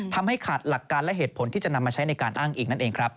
ทำให้ขาดหลักการและเหตุผลที่จะนำมาใช้ในการอ้างอีกนั่นเองครับ